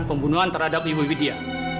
pembunuhan terhadap ibu widya